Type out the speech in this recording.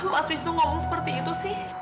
mas wisnu ngomong seperti itu sih